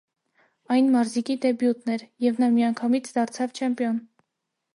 Այն մարզիկի դեբյուտն էր, և նա նա միանգամից դարձավ չեմպիոն։